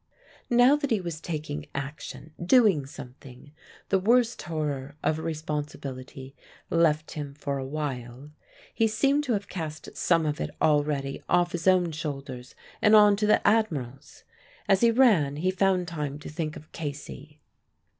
Now that he was taking action doing something the worst horror of responsibility left him for a while; he seemed to have cast some of it already off his own shoulders and on to the Admiral's. As he ran he found time to think of Casey.